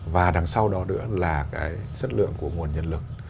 và đằng sau đó nữa là cái chất lượng của nguồn nhân lực